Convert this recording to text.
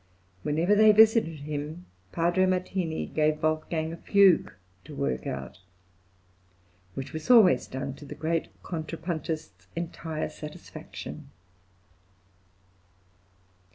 Whenever they visited him Padre Martini gave Wolfgang a fugue to work out, which was always done to the great contrapuntist's entire satisfaction.